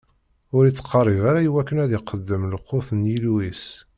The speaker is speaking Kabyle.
Ur ittqerrib ara iwakken ad iqeddem lqut n Yillu-is.